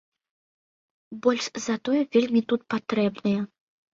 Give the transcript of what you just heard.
Больш за тое, вельмі тут патрэбныя.